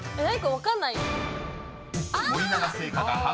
分かんないよ。